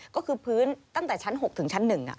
ก็คือพื้นตั้งแต่ชั้น๖ถึงชั้น๑